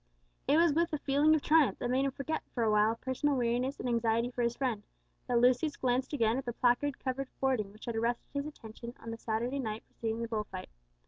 It was with a feeling of triumph, that made him forget for awhile personal weariness and anxiety for his friend, that Lucius glanced again at the placard covered boarding which had arrested his attention on the Saturday night preceding the bull fight.